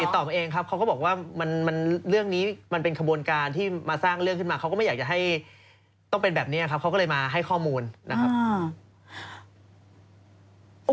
ตอบเองครับเขาก็บอกว่าเรื่องนี้มันเป็นขบวนการที่มาสร้างเรื่องขึ้นมาเขาก็ไม่อยากจะให้ต้องเป็นแบบนี้ครับเขาก็เลยมาให้ข้อมูลนะครับ